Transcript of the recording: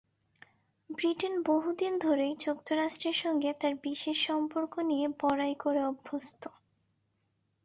Britain বহুদিন ধরেই যুক্তরাষ্ট্রের সঙ্গে তার বিশেষ সম্পর্ক নিয়ে বড়াই করে অভ্যস্ত।